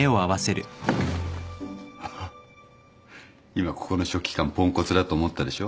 今ここの書記官ポンコツだと思ったでしょ。